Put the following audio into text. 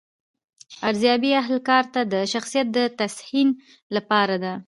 ارزیابي اهل کار ته د شخصیت د تحسین لپاره ده.